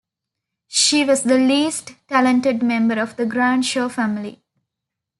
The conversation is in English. She was the least talented member of the Grantzow family.